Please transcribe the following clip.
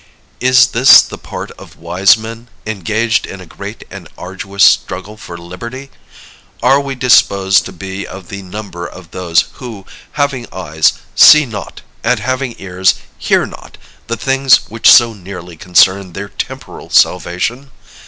Is this the part of wise men, engaged in a great and arduous struggle for liberty? Are we disposed to be of the number of those who, having eyes, see not, and having ears, hear not, the things which so nearly concern their temporal salvation?